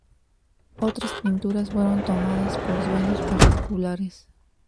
Otras pinturas fueron tomadas por dueños particulares.